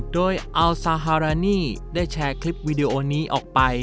โดยอัลซาฮารานีได้แชร์คลิปวิดีโอนี้ออกไป